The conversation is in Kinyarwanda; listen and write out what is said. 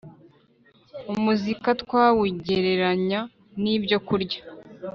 Umuzika twawugereranya n ibyo kurya